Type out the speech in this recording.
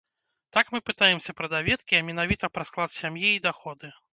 Так мы пытаемся пра даведкі, а менавіта пра склад сям'і і даходы.